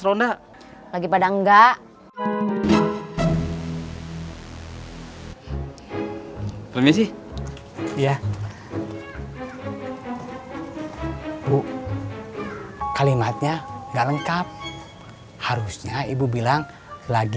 ronda lagi pada enggak permisi iya bu kalimatnya gak lengkap harusnya ibu bilang lagi